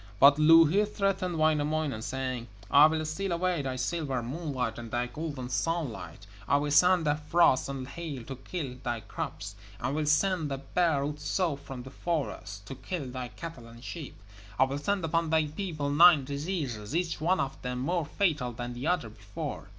But Louhi threatened Wainamoinen, saying: 'I will steal away thy silver moonlight and thy golden sunlight. I will send the frost and hail to kill thy crops, and will send the bear Otso from the forests to kill thy cattle and sheep. I will send upon thy people nine diseases, each one of them more fatal than the one before.'